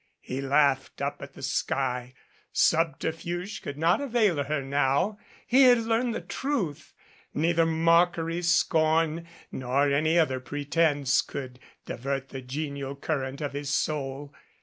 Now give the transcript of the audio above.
He laughed up at the sky. Subterfuge could not avail her now. He had learned the truth. Neither mock ery, scorn nor any other pretence could divert the genial current of his soul.